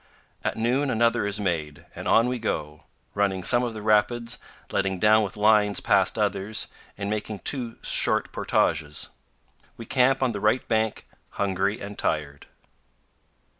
At noon another is made; and on we go, running some of the rapids, letting down with lines past others, and making two short portages. We camp on the right bank, hungry and tired.